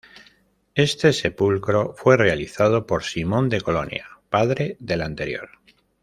Este sepulcro fue realizado por Simón de Colonia, padre del anterior.